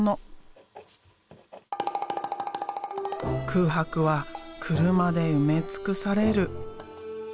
空白は車で埋め尽くされる。